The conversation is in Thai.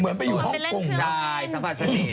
เหมือนไปอยู่ห้องกรุงใช่ซาภาษณีย์